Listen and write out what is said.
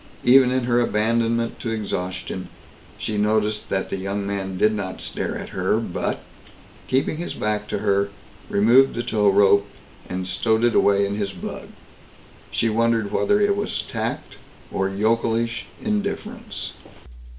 Even in her abandonment to exhaustion she noticed that the young man did not stare at her but, keeping his back to her, removed the tow rope, and stowed it away in his bug. She wondered whether it was tact or yokelish indifference.